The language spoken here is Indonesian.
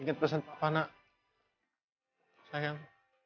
ingat pesan kepala sayang